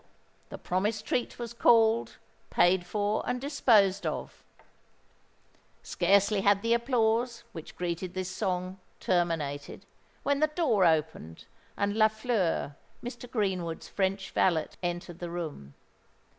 The promised treat was called, paid for, and disposed of. Scarcely had the applause, which greeted this song, terminated, when the door opened, and Lafleur, Mr. Greenwood's French valet, entered the room.